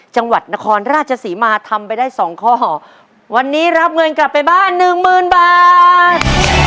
จังหวัดนครราชศรีมาทำไปได้สองข้อวันนี้รับเงินกลับไปบ้านหนึ่งหมื่นบาท